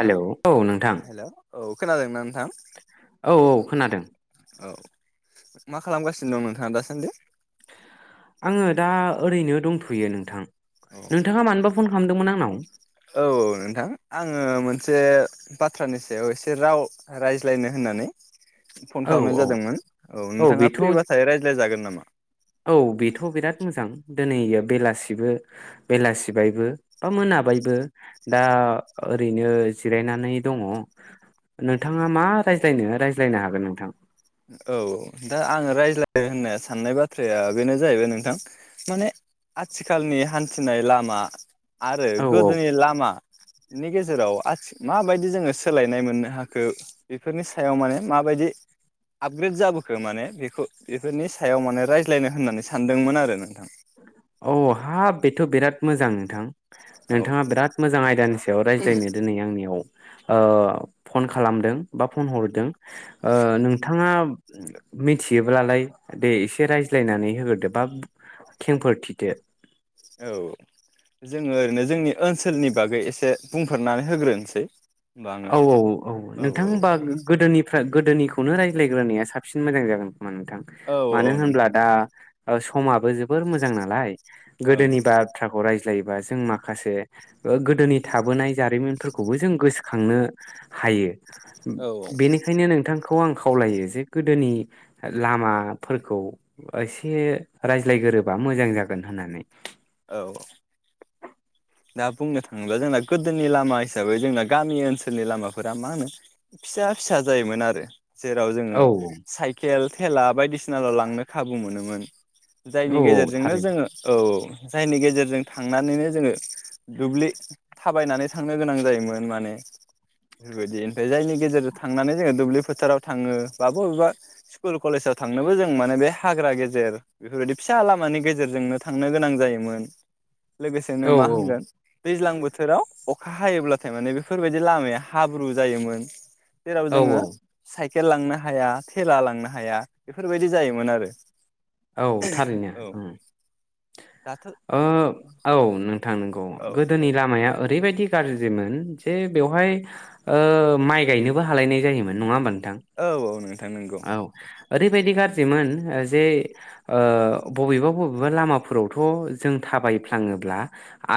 नोंथां हेलौ औ नोंथां हेल' औ खोनादों ना नों औ औ खोनादों। औ मा खालामगासिनो दं नोंथाङा दासान्दि? आङो दा ओरैनो दंथ'यो नोंथां। औ नोंथाङा मानोबा फन खालामदोंमोन आंनाव औ औ नोंथां आङो मोनसे बाथ्रानि सायाव एसे राव रायज्लायनो होननानै फन औ खालामनाय औ जादोंमोन औ नोंथाङा फ्रिबाथाय रायज्लाय जागोन ना मा? औ बेथ' बिराद मोजां दिनै बेलासिबो बेलासिबायबो बा मोनाबायबो दा ओरैनो जिरायनानै दङ नोंथाङा मा रायज्लायनो रायज्लायनो हागोन नोंथां औ दा आङो रायज्लाय होननाय साननाय बाथ्राया बेनो जाहैबाय नोंथां माने आथिखालनि हान्थिनाय लामा आरो औ औ गोदोनि लामा नि गेजेराव आथि माबायदि जोङो सोलायनाय मोननो हाखो बेफोरनि सायाव माने माबायदि आपग्रेद जाबोखो माने बेखौ बेफोरनि सायाव माने रायज्लायनो होननानै सानदोंमोन आरो नोंथां थ' बिराद मोजां नोंथां औ नोंथाङा बिराद मोजां आयदानि सायाव रायज्लायनो दोनै आंनियाव ओ फन खालामदों बा फन हरदों ओ नोंथाङा मिथियोब्लालाय दे एसे रायज्लायनानै होग्रोदो बा खेंफोरथि दो औ जोङो ओरैनो जोंनि ओनसोलनि बागै एसे बुंफोरनानै होग्रोनोसै होमबा आङो औ औ औ नोंथां होमबा गोदोनिफ्राय गोदोनिखौनो रायज्लायग्रोनाया साबसिन मोजां जागोन नोंथां औ औ मानो औ होनब्ला नोंथां दा समाबो जोबोर मोजां नालाय ओं गोदोनि बाथ्राखौ रायज्ला रायज्लायोबा जों माखासे गोदोनि थाबोनाय जारिमिनफोरखौबो जों गोसो खांनो हायो औ बेनिखायनो नोंथांखौ खौ आं खावलायो जे गोदोनि लामाफोरखौ एसे रायज्लायगोरोबा मोजां जागोन होननानै औ दा बुंनो थाङोब्ला जोंना गोदोनि लामा हिसाबै जोंना गामि ओनसोलनि लामाफोरा मा होनो फिसा फिसा जायोमोन आरो जेराव जोङो औ साइकेल थेला बायदिसिनाल लांनो खाबु मोनोमोन औ जायनि औ गेजेरजोंनो थारैनो जोंङो औ जायनि गेजेरजों थांनानैनो जोङो दुब्लि थाबायनानै थांनो गोनां जायोमोन माने बेफोरबायदि ओमफ्राय जायनि गेजेरजों थांनानै जोङो दुब्लि फोथाराव थाङो बा बबेबा स्कुल कलेजाव थांनोबो जों माने बे हाग्रा गेजेर बेफोरबायदि फिसा लामानि गेजेरजोंनो थांनो गोनां जायोमोन औ लोगोसेनो मा औ माहोनो दैज्लां बोथोराव अ अखा हायोब्लाथाय माने बेफोरबायदि लामाया हाब्रु जायोमोन जेराव औ जोङो साइकेल साइकेल लांनो हाया थेला लांनो हाया बेफोरबायदि जायोमोन आरो औ थारैनो औ दाथ' ओ औ नोंथां नंगौ औ औ गोदोनि लामाया ओरैबायदि गाज्रिमोन जे बेवहाय ओ माइ गायनोबो हालायनाय जायोमोन नङा होमबा नोंथां औ औ नोंथां। औ ओरैबायदि गाज्रिमोन। गाज्रिमोन जे बबेबा बबेबा लामाफोरावथ जों थाबायफ्लाङोब्ला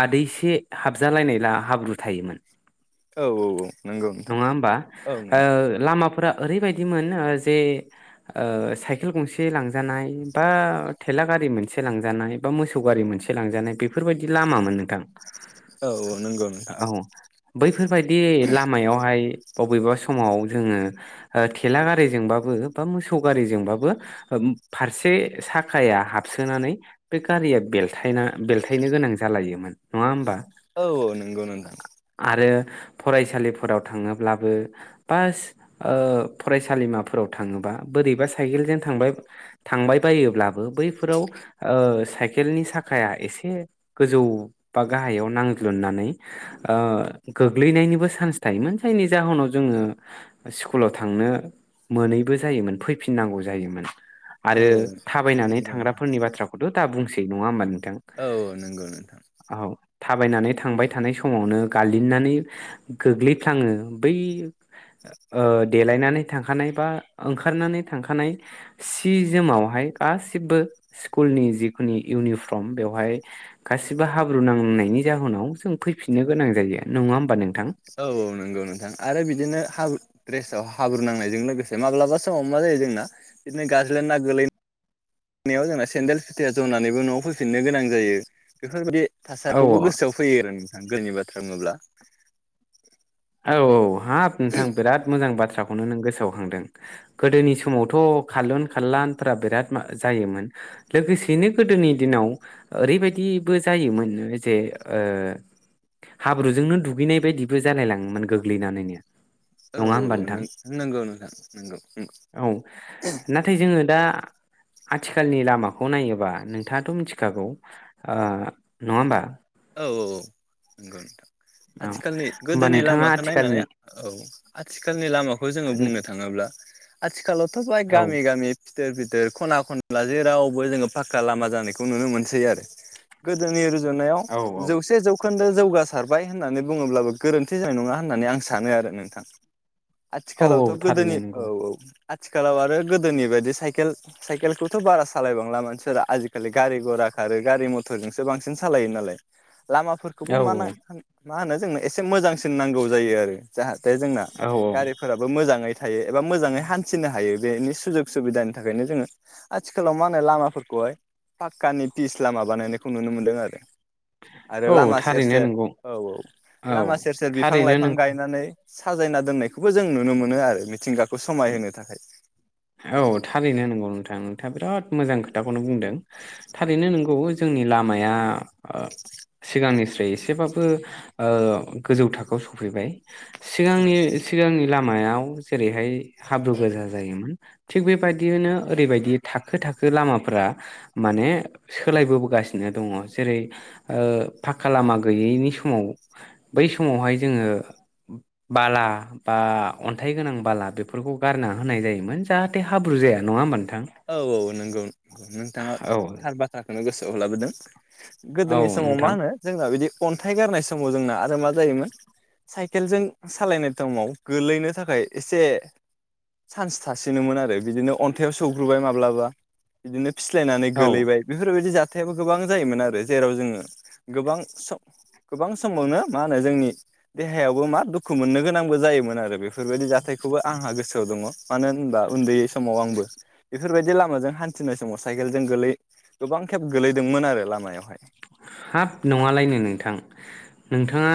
आदैसे हाबजालायनाय हाब्रु थायोमोन। औ औ नंगौ नोंथां नङा होमबा औ ओ लामाफोरा। ओरैबायदिमोन ओ जे साइकेल गंसे लांजानाय बा थेला गारि मोनसे लांजानाय बा मोसौ गारि मोनसे लांजानाय बेफोरबायदि लामामोन नोंथां। औ नंगौ नोंथां औ बैफोरबायदि लामायावहाय। बबेबा समाव जोंङो ओ थेला गारिजोंबा बो मोसौ गारिजोंबाबो फारसे साखाया हाबसोनानै बे गारिया बेलथायना बेलथायनो गोनां जालायोमोन नंङा होमबा? औ नंगौ नोंथां आरो फरायसालिफोराव थांङोब्लाबो बास ओ फरायसालिमाफोराव थांङोबा बोरैबा साइकेलजों थांबाय थांबायोब्लाबो बैफोराव ओ साइ केलनि साखाया एसे गोजौ बा गाहायाव नांज्लुननानै ओ गोग्लैनायनिबो चान्स थायोमोन जायनि जाहोनाव जोंङो स्कुलाव थांनो मोनैबो जायोमोन फैफिननांगौ जायोमोन। औ आरो औ थाबायनानै नंगौ नोंथां थांग्राफोरनि बाथ्राखौथ' दा बुंसै। [unintelligible] नंङा होमबा नों औ नंगौ नोंथां थाबायनानै थांबाय थानाय समावनो गालिननानै गोग्लैफ्लांङो बै ओ देलायनानै थांखानाय बा ओंखारनानै थांखानाय सि जोमावहाय गासिबो स्कुलनि जिखुनि इउनिफर्म बेवहाय गासिबो हाब्रु नांनायनि जाहोनाव जों फैफिननो गोनां जायो नङा होमबा नों औ औ नंगौ नोंथां आरो बिदिनो हाब्रु ड्रेसाव हाब्रु नांनायजों लोगोसे माब्लाबा समाव मा जायो जोंना बिदिनो गाज्लाय ना गोलै नायाव जोंना सेन्देल फिथाया जनानैबो न'आव फैफिननो गोनां जायो बेफोरबायदि थासारिखौबो औ गोसोआव फैयो नोंथां गोदोनि बाथ्रा बुंङोब्ला औ औ हाब नोंथां बिराद मोजां बाथ्रा थ्राखौनो नों गोसोआव खांदों गोदोनि समावथ' खारलुन खारलानफोरा बिराद जायोमोन लोगोसेयैनो गोदोनि दिनाव ओरैबायदिबो जायोमोन जे ओ हाब्रुजोंनो दुगैनाय बायदिबो जालाय लांङो। मोन गोग्लैनानै नो औ औ नों नोंगौ नोथां नोंगौ उम औ नाथाय जोङो दा आथिखालनि लामाखौ नायोबा नोंथांङाथ' मिथिखागौ ओ नंङा होमबा औ औ नंगौ नोंथां औ आथिखालनि होमबा गोदोनि नोंथाङा लामाखौ नायनानै आथिखालनि औ आथिखालनि लामाखौ जोंङो बुंनो थांङोब्ला आथि खालावथ' बाय औ गामि गामि फिथोर भिथोर खना खनला जेरावबो जोंङो फाक्का लामा जानायखौ नुनो मोनसै आरो गोदोनि रुजुनायाव औ जौसे जौ खोन्दो जौगासारबाय, होननानै बुंङोब्लाबो गोरोन्थि जानाय नङा। होननानै आं सानो आरो नोंथां। औ औ आथिखालावथ' गोदोनि थारैनो औ नंगौ औ। आथिखालाव आरो गोदोनि बायदि साइकेल साइकेलखौथ' बारा सालायबांला मानसिफोरा आजिखालि गारि गरा खारो गारि मथरजोंसो बांसिन सालायो नालाय। लामाफोरखौबो औ मा ना मा होनो जोंनो एसे मोजांसिन नांगौ जायो आरो जाहा जोंना औ औ गारिफोराबो मोजांङै थायो एबा मोजांङै हान्थिनो हायो। बेनि सुजुग सुबिदानि थाखायनो जोङो आथिखालाव मा होनो लामाफोरखौहाय पाककानि पिस लामा बानायनायखौ नुनो मोनदों आरो। आरो औ लामा सेर थारैनो सेर नंगौ औ औ औ लामा सेर सेर बिफां थारैनो लाइफां नोंगौ गायनानै साजायना दोननायखौबो जों नुनो मोनो आरो मिथिंगा खौ समायहोनो थाखाय। औ थारैनो नंगौ नोंथां नोंथाङा बिराद मोजां खोथाखौनो बुंदों थारैनो नंगौ जोंनि लामाया ओ सिगांनिस्राय एसेबाबो गोजौ थाखोआव सफैबाय। सिगांनि सिगांनि लामा मायाव जेरैहाय हाब्रु गोजा जायोमोन। थिग बेबायदियैनो ओरैबायदि थाखो थाखो लामाफोरा, माने सोलायबोबोगासिनो दङ। जेरै ओ पाक्का लामा गैयैनि समाव बै समावहाय जोङो बाला बा अन्थाइ गोनां बाला बेफोरखौ गारना होनाय जायोमोन। जाहाथे हाब्रु जाया नङा होमब औ औ नंगौंगौ नोंथाङा औ थार बाथ्रा नो गोसोआव लाबोदों। औ गोदोनि समाव मा नोंथां होनो जोंना बिदि अन्थाइ गारनाय समाव जोंना आरो मा जायोमोन साइकेलजों सालायनाय तमाव गोलैनो थाखाय एसे सान्स थासिनोमोन आरो बिदिनो अन्थाइयाव सौग्रोबाय माब्लाबा बिदिनो फिस्लायनानै औ गोलैबाय बेफोरबायदि जा थायाबो गोबां जायोमोन आरो, जेराव जोङो गोबां सम गोबां समावनो मा होनो? जोंनि देहायावबो मा दुखु मोननो गोनांबो जायोमोन आरो बेफोर फोरबायदि जाथायखौबो आंहा गोसोआव दङ। मानो होनबा उन्दै समाव आंबो बेफोरबायदि लामाजों हान्थिनाय समाव साइकेलजों गोलै गोबां खेब गोलैदोंमोन आरो लामायावहाय। हाब नङालायनो नोंथां? नोंथाङा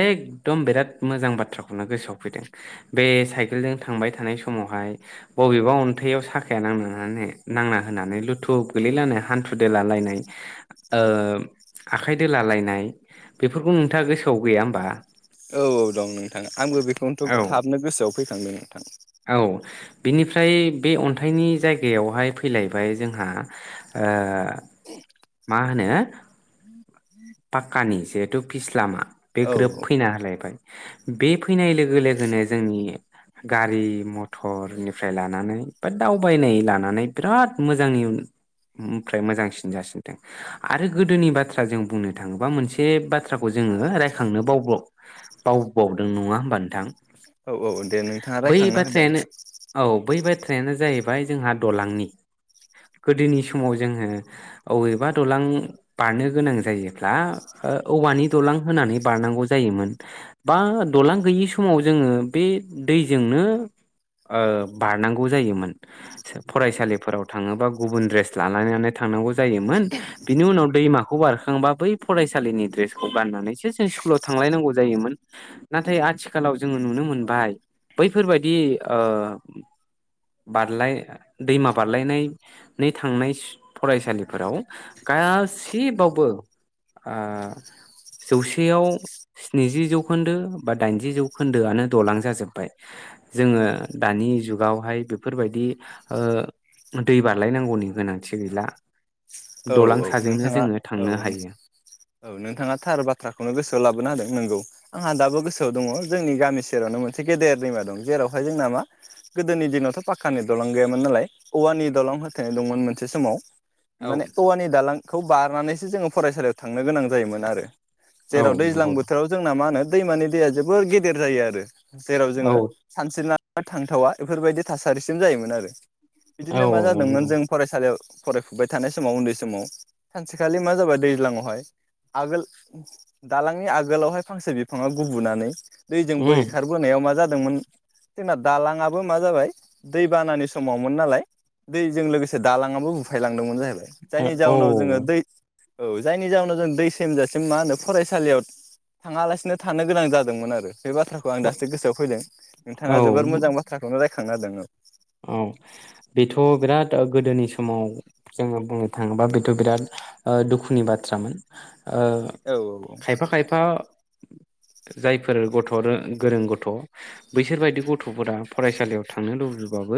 एकदम बिराद मोजां बाथ्राखौनो गोसोआव फैदों, बे साइकेलजों थांबाय थानाय समावहाय बबेबा अन्थाइआव साखाया नांनानै नांना होनानै लुथु गोलैलायनाय हान्थु देलालायनाय ओम आखाइ दोलालायनाय बेफोरखौ नोंथाङा गोसोआव गैया होमबा? औ औ दं नोंथाङा आंबो बे बेखौनोथ' औ थाबनो गोसोआव फैखांदों। नोंथां औ बिनिफ्राय। बे अन्थाइनि जायगायावहाय फैलायबाय जोंहा ओ। [inaudible] मा होनो पाक्कानि जिहेथु फिसलामा बे औ ग्रोब फैना होलायबाय। बे फैनाय लोगो लोगोनो जोंनि गारि मथरनिफ्राय लानानै बा दावबायनाय लानानै बिराद मोजांनिफ्राय मोजांसिन जासिनदों आरो गोदोनि बाथ्रा जों बुंनो थाङोबा मोनसे बाथ्राखौ जोङो रायखांनो बाव बावबावदों नङा होमबा नोंथां औ औ दे नोंथाङा बै रायखांना होदों बाथ्रायानो औ बै बाथ्रायानो जाहैबाय जोंहा दलांनि गोदोनि समाव जोङो अबेबा दालां बारनो गोनां जायो ब्ला ओ औवानि दलां होनानै बारनांगौ जायोमोन बा दलां गैयै समाव जोङो बे दैजोंनो ओ बारनांगौ जायोन फरायसालिफोराव थाङोबा गुबन द्रेस लालायनानै थांनांगौ जायोमोन बिनि उनाव दैमाखौ बारखांबा बै फरायसालिनि ड्रेसखौ गाननानैसो जों स्कुलाव थांलायनांगौ जायोमोन नाथाय आथिखालाव जोङो नुनो मोनबाय बैफोरबायादि ओ बारलाय दैमा बारलायनानै थांनाय फरायसालिफोराव गासिबावबो आ जौसेयाव स्निजि जौखोन्दो बा दाइनजि जौखोन्दोआनो दलां जाजोब्बाय जोङो दानि जुगावहाय बेफोरबायदि ओ दै बारलायनांगौनि गोनांथि गैला। औ दलां औ साजोंनो नोंथाङा जोङो थांनो औ हायो औ नोंथाङा थार बाथ्राखौनो गोसोआव लाबोना होदों नोंगौ। आंहा दाबो गोसोआव दङ जोंनि गामि सेरावनो मोनसे गेदेर दैमा दं। जेरावहाय जोंना मा गोदोनि दिनावथ' पाखक्कानि दलं गैयामोन नालाय औवानि दलं होथेनाय दंमोन मोनसे समाव औ माने औवानि दालांखौ बारनानैसो जोङो फरायसालियाव थांनो गोनां जायोमोन आरो औ जेराव नंगौ दैज्लां बोथोराव जोंना मा होनो दैमानि दैया जोबोर गेदेर जायो आरो जेराव औ जोङो सानस्रिना थांथावा बेफोरबायदि थासारिसिम जायोमोन आरो औ बिदिनो मा औ जादोंमोन नंगौ जों फरायसालियाव फरायफुबाय थानाय समाव उन्दै समाव सानसेखालि मा जाबाय दैज्लांआवहाय आगोल दालांनि आगोलावहाय फांसे बिफाङा गुबुनानै दैजों उम बोहैखारबोनायाव मा जा मोन जोंना दालांआबो मा जाबाय दै बानानि समावमोन नालाय दैजों लोगोसे दालांआबो बुफायलां दोंमोन जाहैबाय औ जायनि जाउनाव जोङो दै औ जायनि जााहोनाव जों दै सेमजासिम मा होनो फरायसालियाव थाङालासिनो थानो गोनां जादोंमोन आरो बे बाथ्राखौ आं दासो गोसोआव फैदों नोंथाङा जोबोर मोजां औ बाथ्राखौनो रायख खांना होदों औ औ बेथ' बिराद गोदोनि समाव जोङो बुंनो थाङोबा बेथ' बिराद ओ दुखुनि बाथ्रामोन। ओ औ औ खायफा- खायफा जायफोर गथ' गोरों गथ' बैसोरबायदि गथ'फोरा फरायसालियाव थांनो लुबैबा बाबो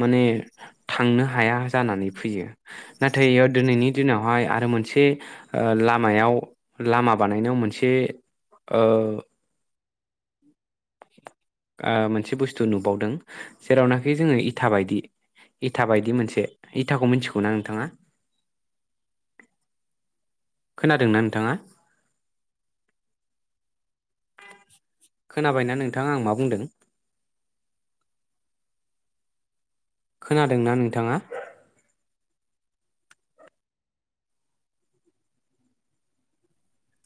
माने थांनो हाया जानानै फैयो। नाथाय दिनैनि दिनावहाय आरो मोनसे ओ लामायाव लामा बानायनायाव मोनसे ओ ओ मोनसे बुस्थु नुबावदों जेरावनाखि जोङो इथाबायदि इटाबायदि मोनसे इटाखौ मिथिगौ ना नोंथाङा? खोनादोंना नोंथाङा खोनाबायना नोंथाङा आं मा बुंदों? खोनादोंना नोंथाङा?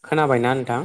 खोनाबायना नोंथां?